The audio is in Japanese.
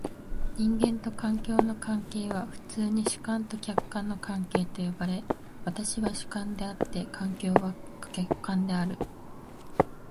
人間と環境の関係は普通に主観と客観の関係と呼ばれ、私は主観であって、環境は客観である。